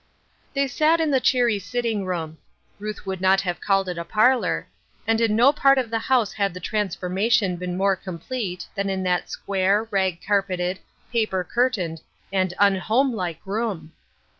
They sat in the clieery sitting room — Ruth would not have it called a parlor — and in no pai*t of the house had the transformation been more complete than in that square, rag carpeted, paper curtained, and unhome like room.